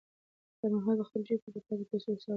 خیر محمد په خپل جېب کې د پاتې پیسو حساب وکړ.